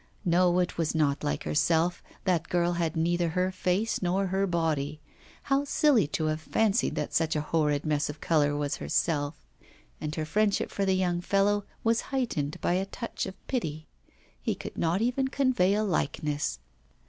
No, it was not like herself, that girl had neither her face nor her body. How silly to have fancied that such a horrid mess of colour was herself! And her friendship for the young fellow was heightened by a touch of pity; he could not even convey a likeness.